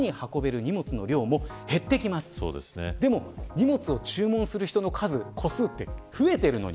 荷物を注文する人の数って増えているのに。